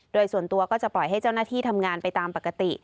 โดยส่วนตัวก็จะปล่อยให้เจ้าหน้าที่ทำงานไปตามปกติ